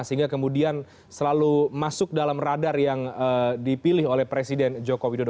sehingga kemudian selalu masuk dalam radar yang dipilih oleh presiden joko widodo